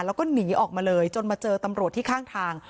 แล้วก็หนีออกมาเลยจนมาเจอตำรวจที่ข้างทาง